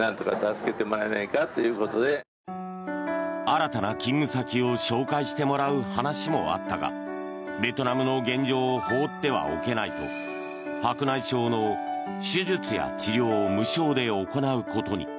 新たな勤務先を紹介してもらう話もあったがベトナムの現状を放ってはおけないと白内障の手術や治療を無償で行うことに。